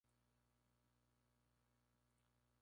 Las citas para Pakistán necesitan confirmación.